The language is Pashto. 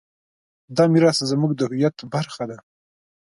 دا میراث زموږ د هویت برخه ده.